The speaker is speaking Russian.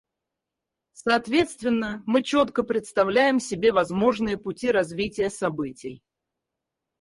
Соответственно, мы четко представляем себе возможные пути развития событий.